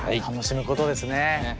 楽しむことですね。